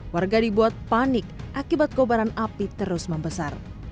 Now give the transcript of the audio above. warga dibuat panik akibat kobaran api terus membesar